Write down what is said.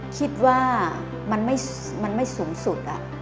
คิดว่ามันไม่สูงสุด